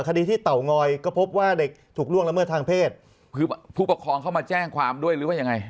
คดีที่เตางอยก็พบว่าเด็กถูกล่วงละเมิดทางเพศคือผู้ปกครองเข้ามาแจ้งความด้วยหรือว่ายังไง